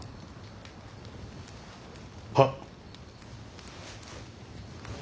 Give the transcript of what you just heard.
はっ。